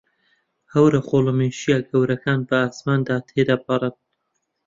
هەورە خۆڵەمێشییە گەورەکان بە ئاسماندا تێدەپەڕن.